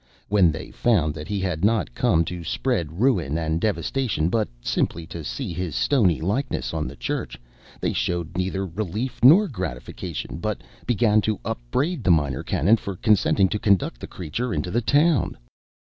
When they found that he had not come to spread ruin and devastation, but simply to see his stony likeness on the church, they showed neither relief nor gratification, but began to upbraid the Minor Canon for consenting to conduct the creature into the town.